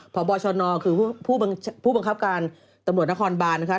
พบชนคือผู้บังคับการตำรวจนครบานนะคะ